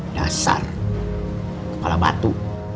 dasar kepala batu